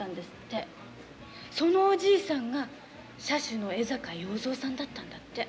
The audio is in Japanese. そのおじいさんが社主の江坂要造さんだったんだって。